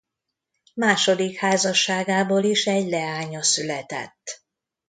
Második házasságából is egy leánya született.